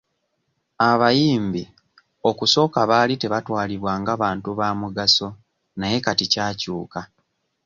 Abayimbi okusooka baali tebaatwalibwa nga bantu ba mugaso naye kati kyakyuka.